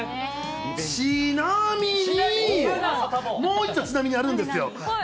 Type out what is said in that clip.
ちなみに、もういっちょ、ちなみにあるんですよ。